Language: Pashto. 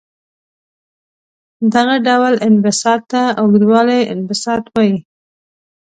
دغه ډول انبساط ته اوږدوالي انبساط وايي.